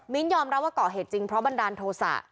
ยอมรับว่าก่อเหตุจริงเพราะบันดาลโทษะ